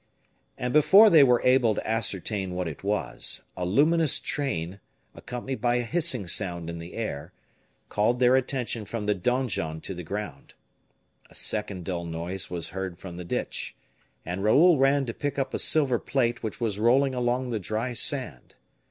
And before they were able to ascertain what it was, a luminous train, accompanied by a hissing sound in the air, called their attention from the donjon to the ground. A second dull noise was heard from the ditch, and Raoul ran to pick up a silver plate which was rolling along the dry sand.